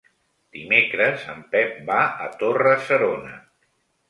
Dimecres en Pep va a Torre-serona.